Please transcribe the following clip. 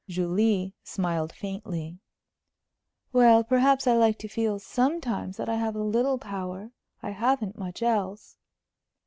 Julie smiled faintly. "Well, perhaps I like to feel, sometimes, that I have a little power. I haven't much else."